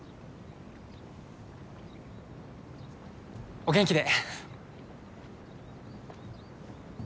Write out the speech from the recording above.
お元気で。